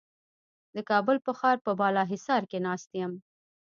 د کابل په ښار په بالاحصار کې ناست یم.